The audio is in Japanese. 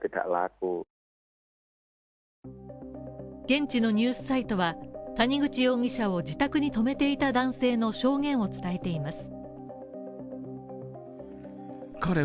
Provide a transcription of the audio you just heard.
現地のニュースサイトは谷口容疑者を自宅に泊めていた男性の証言を伝えています。